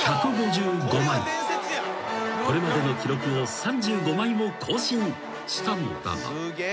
［これまでの記録を３５枚も更新したのだが］